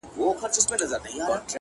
• داده پښـــــتانه اشـــــــنــــٰــا ـ